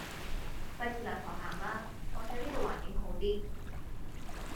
費事兩頭行啦，況且呢度環境好啲